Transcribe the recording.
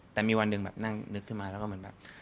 แต่มีวันหนึ่งแบบนั่งนึกขึ้นมาแล้วก็เหมือนแบบ